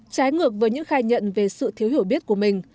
trái ngược với những khai nhận về sự thiếu hiểu biết của mình